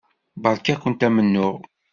Beṛka-kent amennuɣ.